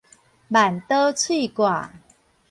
萬刀碎割